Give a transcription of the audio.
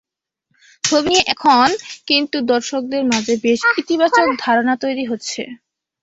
ছবি নিয়ে এখন কিন্তু দর্শকদের মাঝে বেশ ইতিবাচক ধারণা তৈরি হচ্ছে।